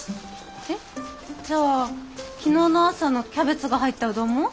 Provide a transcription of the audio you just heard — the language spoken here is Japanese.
えっ？じゃあ昨日の朝のキャベツが入ったうどんも？